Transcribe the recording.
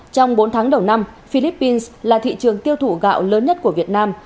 trong bốn tháng đầu năm philippines là thị trường tiêu thụ gạo lớn nhất của việt nam